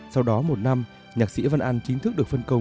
sau đó một năm nhạc sĩ văn an chính thức được phân công